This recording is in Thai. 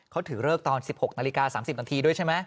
เขาถือเลิกตอน๑๖นาฬิกา๓๐นาทีด้วยใช่ไหม